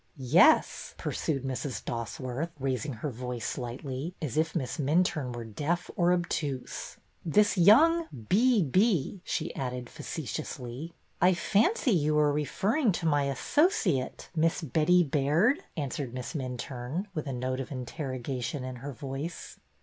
" Yes," pursued Mrs. Dosworth, raising her voice slightly, as if Miss Minturne were deaf or obtuse. '' This young ' B. B.,' " she added, facetiously. " I fancy you refer to my associate. Miss Betty Baird," answered Miss Minturne, with a note of interrogation in her voice.